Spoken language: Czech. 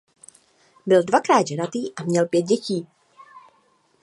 Byl dvakrát ženatý a měl pět dětí.